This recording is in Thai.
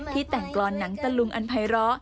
ที่แต่งกรอนหนังตะลุงอันไพร้